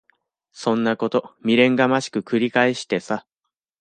そんなこと未練がましく繰り返してさ。